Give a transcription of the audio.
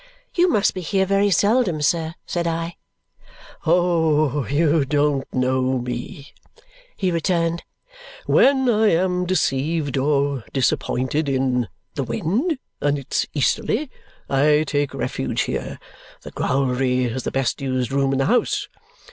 "You must be here very seldom, sir," said I. "Oh, you don't know me!" he returned. "When I am deceived or disappointed in the wind, and it's easterly, I take refuge here. The growlery is the best used room in the house.